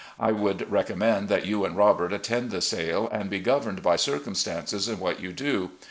I would recommend that you and Robert attend the sale, and be governed by circumstances in what you do.